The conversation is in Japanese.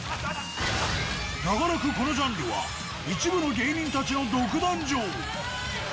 長らくこのジャンルは、一部の芸人たちの独壇場。